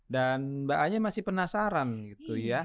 dan mbak anya masih penasaran gitu ya